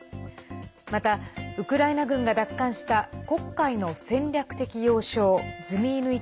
また、ウクライナ軍が奪還した黒海の戦略的要衝ズミイヌイ